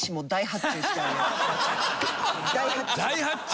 大発注。